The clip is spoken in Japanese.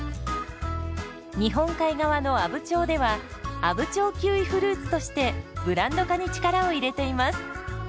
日本海側の阿武町では「阿武町キウイフルーツ」としてブランド化に力を入れています。